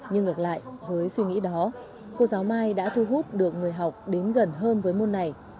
nhưng ngược lại với suy nghĩ đó cô giáo mai đã thu hút được người học đến gần hơn với môn này